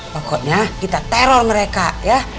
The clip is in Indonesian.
pokoknya kita teror mereka ya